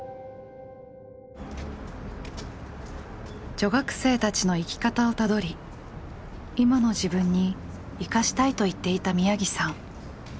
女学生たちの生き方をたどり今の自分に生かしたいと言っていた宮城さん。